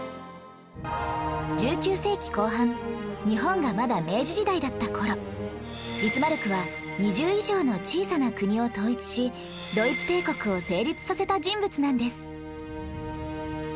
１９世紀後半日本がまだ明治時代だった頃ビスマルクは２０以上の小さな国を統一しドイツ帝国を成立させた人物なんです